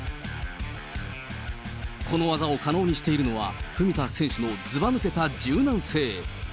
この技を可能にしているのは、文田選手のずばぬけた柔軟性。